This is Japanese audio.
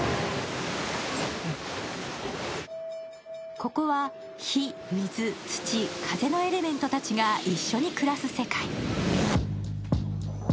ここは火、水、土、風のエレメントたちが一緒に暮らす世界。